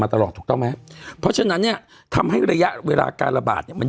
ตลอดถูกต้องไหมเพราะฉะนั้นเนี่ยทำให้ระยะเวลาการระบาดเนี่ยมัน